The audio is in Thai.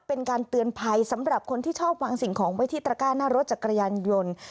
เป็นการเตือนภัยสำหรับคนที่ชอบวางสิ่งของไว้ที่ตระก้าหน้ารถจักรยานยนต์